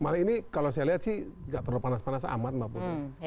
malah ini kalau saya lihat sih nggak terlalu panas panas amat mbak putri